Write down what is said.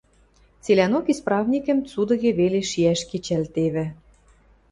Цилӓнок исправникӹм цудыге веле шиӓш кечӓлтевӹ